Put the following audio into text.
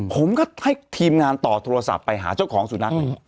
ผมก็ให้ทีมงานต่อโทรศัพท์ไปหาเจ้าของสุนัข